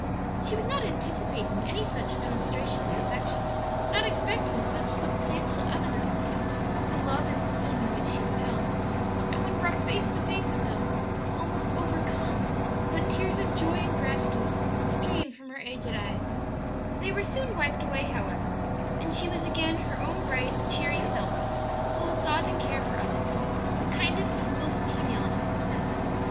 She was not anticipating any such demonstration of affection not expecting such substantial evidences of the love and esteem in which she was held and when brought face to face with them was almost overcome, so that tears of joy and gratitude streamed from her aged eyes, They were soon wiped away, however, and she was again her own bright, cheery self, full of thought and care for others the kindest and most genial of hostesses.